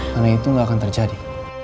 karena itu gak akan terjadi